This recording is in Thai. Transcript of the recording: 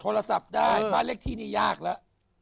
โทรศัพท์ได้บ้านเลขที่นี่ยากแล้ว